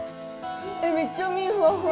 めっちゃ身ふわふわ。